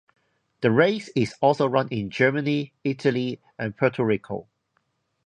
This race is also run in Germany, Italy and Puerto Rico.